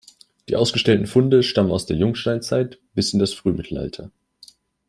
Die ausgestellten Funde stammen aus der Jungsteinzeit bis in das Frühmittelalter.